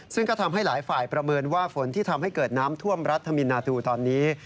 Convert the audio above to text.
ซึ่งก็ทำให้หลายฝ่ายประเมินว่าฝนที่ทำให้เกิดน้ำท่วมรัฐมินนาทูตอนนี้